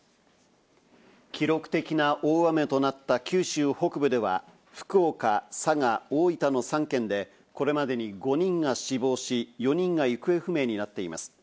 記録的な大雨となった九州北部では、福岡、佐賀、大分の３県でこれまでに５人が死亡し、４人が行方不明になっています。